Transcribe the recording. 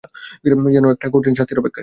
যেন একটা পাওনা শাস্তির অপেক্ষায়।